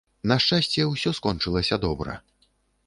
На шчасце, усё скончылася добра.